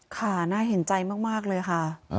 ค่ะน่าเห็นใจมากเลยค่ะ